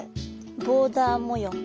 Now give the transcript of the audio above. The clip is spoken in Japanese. ボーダー模様の。